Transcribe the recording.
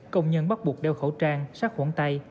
công nhân bắt buộc đeo khẩu trang sát khuẩn tay